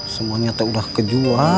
semuanya tak udah kejual